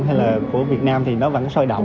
hay là của việt nam thì nó vẫn sôi động